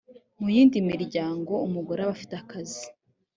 mu yindi miryango umugore aba afite akazi